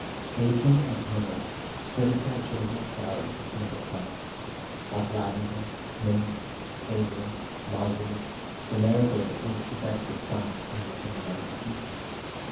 For the King and Camillo, Perdita had chosen the flowers of middle summer hot lavender, mint, savory, marjoram, the marigold that goes to bed with the sun and with him rises weeping.